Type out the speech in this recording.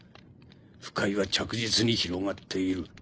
腐海は着実に広がっている。